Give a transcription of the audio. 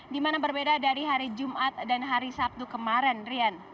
di mana berbeda dari hari jumat dan hari sabtu kemarin rian